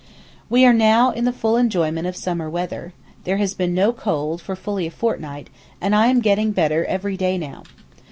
We are now in the full enjoyment of summer weather; there has been no cold for fully a fortnight, and I am getting better every day now.